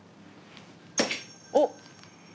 おっ！